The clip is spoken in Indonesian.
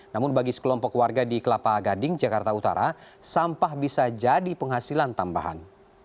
namun bagi sekelompok warga di kelapa gading jakarta utara sampah bisa jadi penghasilan tambahan